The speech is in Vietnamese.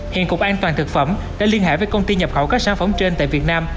hiện cục an toàn thực phẩm đã liên hệ với công ty nhập khẩu các sản phẩm trên tại việt nam